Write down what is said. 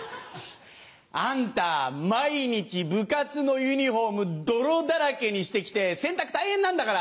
あんた毎日部活のユニホーム泥だらけにして来て洗濯大変なんだから！